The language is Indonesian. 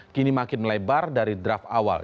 kini makin melebar dari draft awal